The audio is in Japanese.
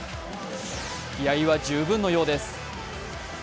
気合いは十分のようです。